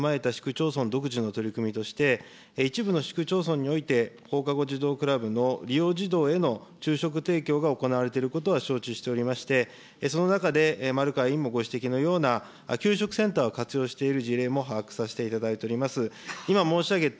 また、保護者からのニーズ等を踏まえた市区町村独自の取り組みとして、一部の市区町村において放課後児童クラブの利用児童への昼食提供が行われていることは承知しておりまして、その中で丸川委員もご指摘のような、給食センターを活用している事例も把握させていただいております。